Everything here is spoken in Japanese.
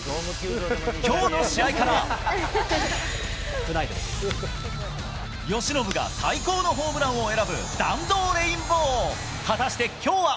きょうの試合から、由伸が最高のホームランを選ぶ、弾道レインボー。